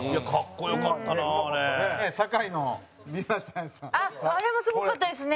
綾瀬：あれもすごかったですね。